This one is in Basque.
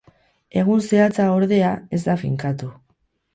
Egun zehatza, ordea, ez da finkatu.